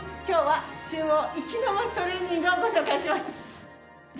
今日は中央粋なまちトレーニングをご紹介します。